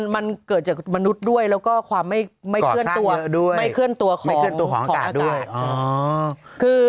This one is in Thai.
มันเกิดจากมนุษย์ด้วยแล้วก็ความไม่เคลื่อนตัวของอากาศ